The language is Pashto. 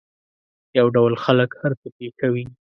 یو ډول خلک هر څه پېښوي.